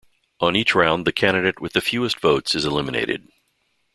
On each round, the candidate with the fewest votes is eliminated.